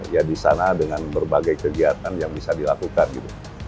ya di sana dengan berbagai kegiatan yang bisa dilakukan gitu